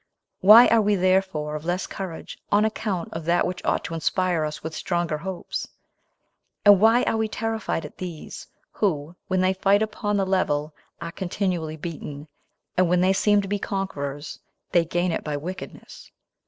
Why are we therefore of less courage, on account of that which ought to inspire us with stronger hopes? and why are we terrified at these, who, when they fight upon the level, are continually beaten, and when they seem to be conquerors, they gain it by wickedness?